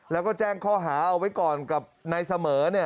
แล้วก็แจ้งข้อหาเอาไว้ก่อนกับนายเสมอ